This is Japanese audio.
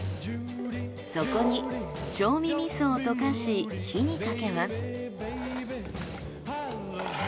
そこに調味味噌を溶かし火にかけます。